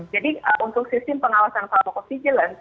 jadi untuk sistem pengawasan pharmacovigilance